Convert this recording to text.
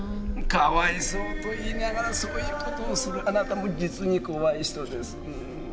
かわいそうと言いながらそういうことをするあなたも実に怖い人です。